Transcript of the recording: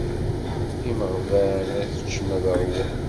Imeɣban ad ččen, ad ṛwun.